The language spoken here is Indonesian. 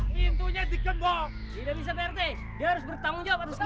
pintunya dikembang tidak bisa prt harus bertanggung jawab harus